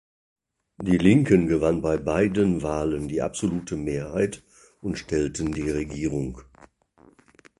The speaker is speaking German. Die Linken gewann bei beiden Wahlen die absolute Mehrheit und stellten die Regierung.